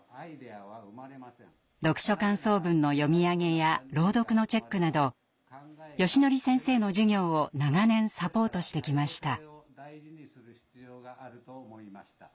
読書感想文の読み上げや朗読のチェックなどよしのり先生の授業を長年サポートしてきました。